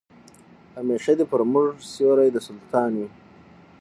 همېشه دي پر موږ سیوری د سلطان وي